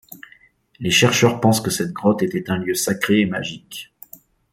Les chercheurs pensent que cette grotte était un lieu sacré et magique.